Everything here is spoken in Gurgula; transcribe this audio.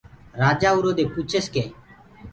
رآجآ اُرو دي پوڇس ڪي